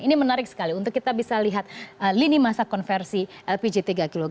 ini menarik sekali untuk kita bisa lihat lini masa konversi lpg tiga kg